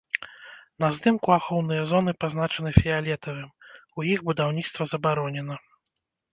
На здымку ахоўныя зоны пазначаны фіялетавым, у іх будаўніцтва забаронена.